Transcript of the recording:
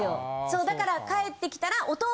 そうだから帰ってきたら。